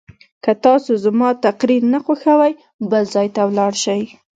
که تاسو زما تقریر نه خوښوئ بل ځای ته لاړ شئ.